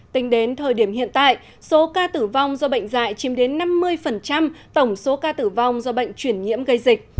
tính đến thời điểm hiện tại số ca tử vong do bệnh dạy chìm đến năm mươi tổng số ca tử vong do bệnh chuyển nhiễm gây dịch